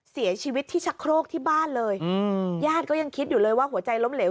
เสียชีวิตที่ชะโครกที่บ้านเลยอืมญาติก็ยังคิดอยู่เลยว่าหัวใจล้มเหลว